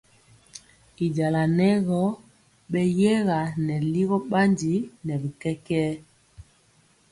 Y jala nɛ gɔ beyɛga nɛ ligɔ bandi nɛ bi kɛkɛɛ.